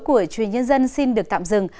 của chuyên nhân dân xin được tạm dừng